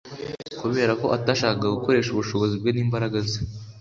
Kubera ko atashakaga gukoresha ubushobozi bwe n'imbaraga ze